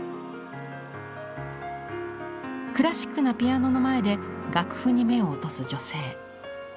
クラシックなピアノの前で楽譜に目を落とす女性。